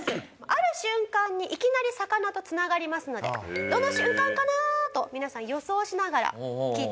ある瞬間にいきなり魚と繋がりますのでどの瞬間かなと皆さん予想しながら聞いてください。